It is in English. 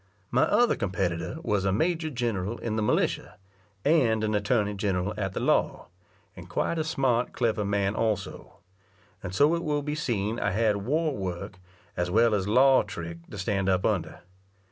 My other competitor was a major general in the militia, and an attorney general at the law, and quite a smart, clever man also; and so it will be seen I had war work as well as law trick, to stand up under.